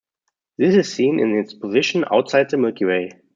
This is seen in its position outside the Milky Way.